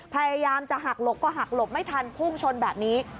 พยายามจะหักหลบก็หักหลบไม่ทันพุ่งชนแบบนี้